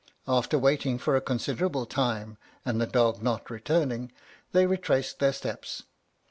After waiting a considerable time, and the dog not returning, they retraced their steps.